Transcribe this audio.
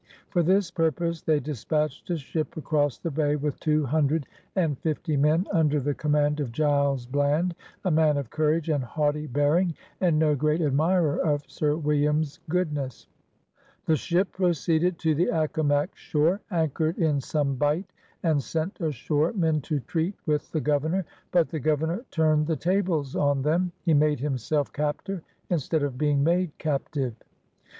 For this purpose they dispatched a ship across the Bay, with two hundred and fifty men, under the command of Giles Bland, a man of courage and haughty bearing, and "no great admirer of Sir William's goodness." The ship proceeded to the Accomac shore, anchored in some bight, and sent ashore men to treat with the Governor. But the Gover nor turned the tables on them. He made himself captor, instead of being made captive.